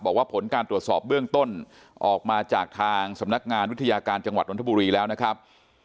บอกว่าผลการตรวจสอบเบื้องต้นออกมาจากทางสำนักงานวิทยาการจังหวัดนทบุรีแล้วนะครับ